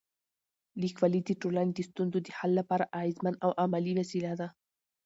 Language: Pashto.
لیکوالی د ټولنې د ستونزو د حل لپاره اغېزمن او عملي وسیله ده.